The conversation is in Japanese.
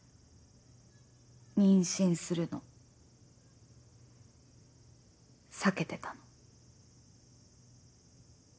妊娠するの避けてたの。